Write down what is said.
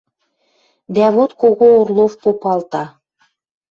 Дӓ вот кого Орлов попалта: